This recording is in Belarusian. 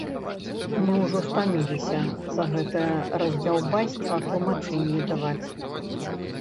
Мы ўжо стаміліся за гэтае раздзяўбайства тлумачэнні даваць.